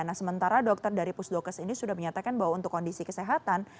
nah sementara dokter dari pusdokes ini sudah menyatakan bahwa untuk kondisi kesehatan